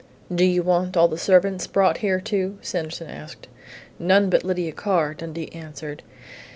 "Do you want all the servants brought here, too?" Sanderson asked. "None but Lydia Carr," Dundee answered.